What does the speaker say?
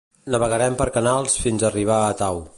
Navegarem per canals fins arribar a Etau